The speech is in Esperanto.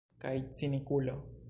Kaj cinikulo.